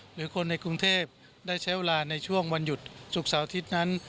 หรือคนในกรุงเทพได้ใช้เวลาในช่วงวันหยุดศุกร์เสาร์อาทิตย์นั้น